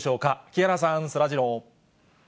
木原さん、そらジロー。